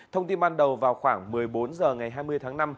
thông tin ban đầu vào khoảng một mươi bốn h ngày hai mươi tháng năm